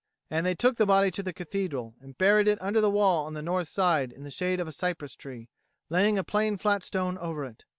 And they took the body to the Cathedral, and buried it under the wall on the north side in the shade of a cypress tree, laying a plain flat stone over it.